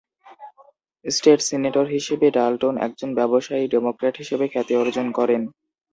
State senator হিসেবে Dalton একজন ব্যবসায়ী ডেমোক্র্যাট হিসেবে খ্যাতি অর্জন করেন।